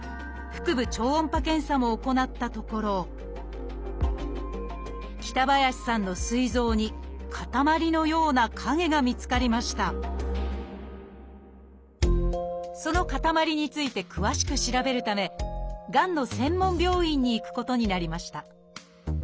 腹部超音波検査も行ったところ北林さんのその塊について詳しく調べるためがんの専門病院に行くことになりました